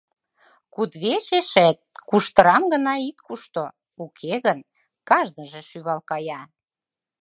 Кудывечешет куштырам гына ит кушто, уке гын, кажныже шӱвал кая.